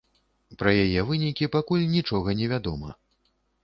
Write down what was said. Пра яе вынікі пакуль нічога невядома.